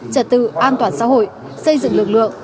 trật tự an toàn xã hội xây dựng lực lượng